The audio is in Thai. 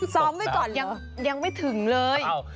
ซ้อมด้วยก่อนเหรอยังยังไม่ถึงเลยอ้าว